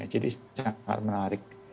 jadi sangat menarik